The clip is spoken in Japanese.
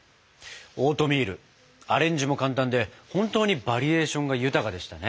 オートミールアレンジも簡単で本当にバリエーションが豊かでしたね。